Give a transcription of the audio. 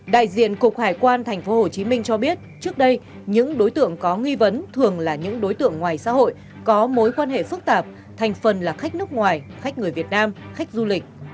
đại diện cục hải quan tp hcm cho biết trước đây những đối tượng có nghi vấn thường là những đối tượng ngoài xã hội có mối quan hệ phức tạp thành phần là khách nước ngoài khách người việt nam khách du lịch